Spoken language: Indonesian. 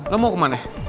lo mau kemana